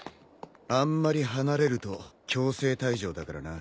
あんまり離れると強制退場だからな。